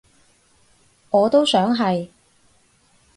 我都想係